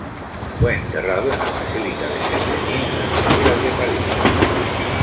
Fue enterrado en la Basílica de Saint Denis, en las afueras de París.